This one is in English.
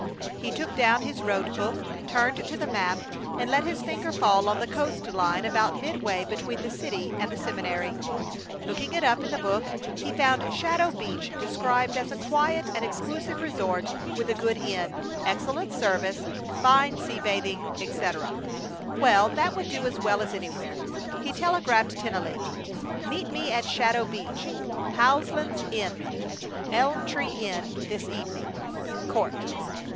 He took down his road book, turned to the map, and let his finger fall on the coast line about midway between the city and the seminary. Looking it up in the book, he found Shadow Beach described as a quiet and exclusive resort with a good inn, excellent service, fine sea bathing, etc. Well, that would do as well as anywhere. He telegraphed Tennelly: Meet me at Shadow Beach, Howland's Inlet, Elm Tree Inn, this evening. COURT.